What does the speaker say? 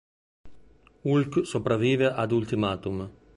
Hulk sopravvive ad "Ultimatum".